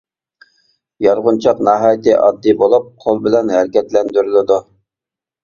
يارغۇنچاق ناھايىتى ئاددىي بولۇپ، قول بىلەن ھەرىكەتلەندۈرۈلىدۇ.